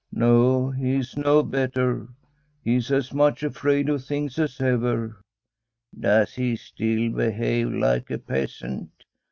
' No, he is no better. He is as much afraid of things as ever.' * Does he still behave like a peasant